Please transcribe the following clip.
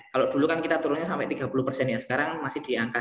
kalau dulu kan kita turunnya sampai tiga puluh persen ya sekarang masih diangkat